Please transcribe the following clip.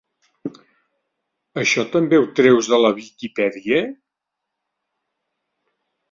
Això també ho treus de la Wikipedia?